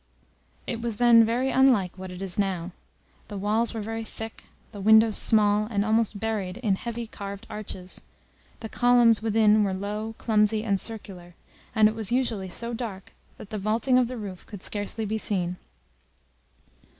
It was then very unlike what it is now; the walls were very thick, the windows small and almost buried in heavy carved arches, the columns within were low, clumsy, and circular, and it was usually so dark that the vaulting of the roof could scarcely be seen.